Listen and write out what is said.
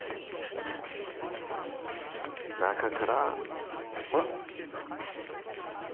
中からほら！